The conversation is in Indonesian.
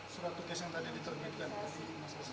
surat tugas yang tadi diterbitkan